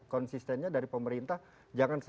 konsistennya dari pemerintah jangan